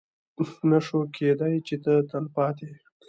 نه شوای کېدی چې د تلپاتې